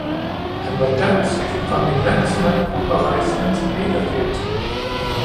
Han var dansk, var min landsmand og rejsende teaterdirektør